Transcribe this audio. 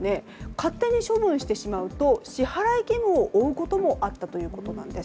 勝手に処分してしまうと支払い義務を負うこともあったんです。